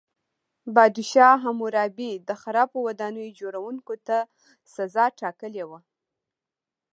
پادشاه هیمورابي د خرابو ودانیو جوړوونکو ته سزا ټاکلې وه.